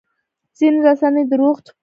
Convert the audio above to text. ځینې رسنۍ درواغ خپروي.